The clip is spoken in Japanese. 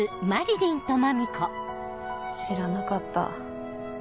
知らなかった。